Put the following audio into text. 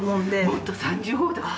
もっと３５とか。